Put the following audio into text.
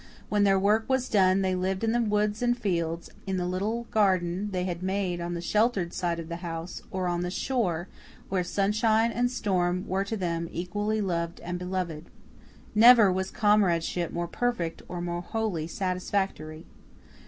When their work was done they lived in the woods and fields, in the little garden they had made on the sheltered side of the house, or on the shore, where sunshine and storm were to them equally lovely and beloved. Never was comradeship more perfect or more wholly satisfactory.